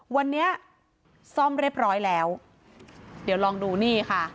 วันนี้ซ่อมเรียบร้อยแล้วเดี๋ยวลองดูนี่ค่ะ